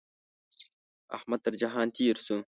احمد تر جهان تېر شو.